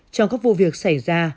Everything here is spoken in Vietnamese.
trong các vụ việc xảy ra